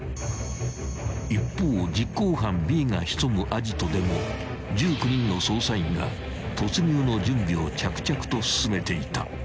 ［一方実行犯Ｂが潜むアジトでも１９人の捜査員が突入の準備を着々と進めていた］